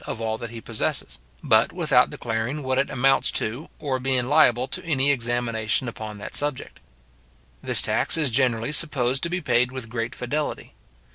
of all that he possesses, but without declaring what it amounts to, or being liable to any examination upon that subject. This tax is generally supposed to be paid with great fidelity.